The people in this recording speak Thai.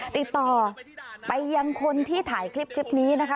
ติดต่อไปยังคนที่ถ่ายคลิปนี้นะคะ